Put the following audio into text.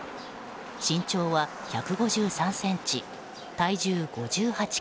身長は１５３ｃｍ体重５８ｋｇ。